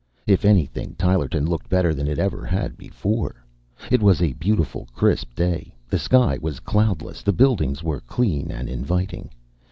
If anything, Tylerton looked better than it ever had before: It was a beautiful crisp day, the sky was cloudless, the buildings were clean and inviting.